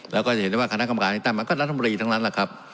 แล้วก็จะเห็นดีว่าคันธรรมการตามมาก็รัฐบรีทั้งล้านละครับ